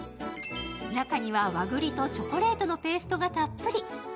中には和栗とチョコレートのペーストがたっぷり。